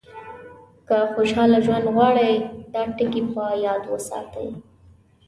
که خوشاله ژوند غواړئ دا ټکي په یاد وساتئ.